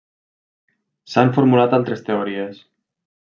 S'han formulat altres teories.